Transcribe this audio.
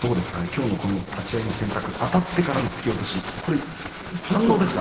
今日の立ち合いの選択あたってからの突き落としです。